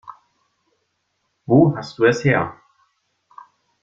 Wo hast du es her?